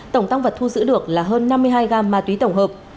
tổng tăng vật thu giữ được là hơn năm mươi hai gam ma túy tổng hợp